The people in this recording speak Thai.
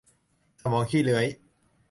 สมองขี้เลื้อย